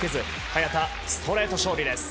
早田、ストレート勝利です。